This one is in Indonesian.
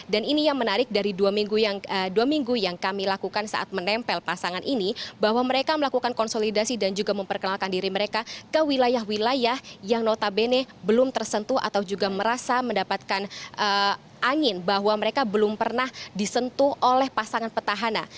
dan ini yang menarik dari dua minggu yang kami lakukan saat menempel pasangan ini bahwa mereka melakukan konsolidasi dan juga memperkenalkan diri mereka ke wilayah wilayah yang notabene belum tersentuh atau juga merasa mendapatkan angin bahwa mereka belum pernah disentuh oleh pasangan petahana